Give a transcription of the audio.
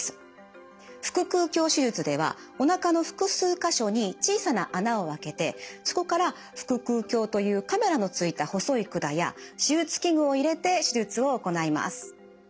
腹腔鏡手術ではおなかの複数か所に小さな孔を開けてそこから腹腔鏡というカメラのついた細い管や手術器具を入れて手術を行います。